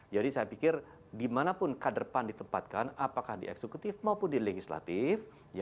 jadi saya pikir dimanapun kader pan ditempatkan apakah di eksekutif maupun di legislatif